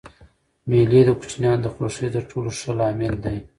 مېلې د کوچنيانو د خوښۍ تر ټولو ښه لامل دئ.